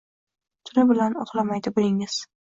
Tuni bilan uxlamaydi buningiz